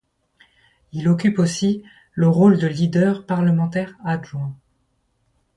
Il occupe aussi le rôle de leader parlementaire adjoint.